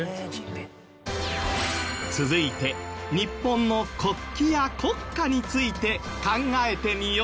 続いて日本の国旗や国歌について考えてみよう。